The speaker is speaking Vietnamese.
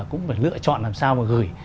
cũng phải lựa chọn làm sao mà gửi